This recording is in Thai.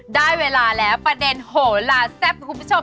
กระทั่งอยู่ใหญ่